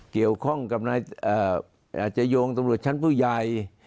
เกี่ยวข้องกับนายอาจจะโยงตำรวจชั้นผู้ใหญ่